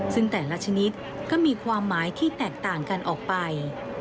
ซึ่งแต่ละชนิดก็มีความหมายที่แตกต่างกันออกไป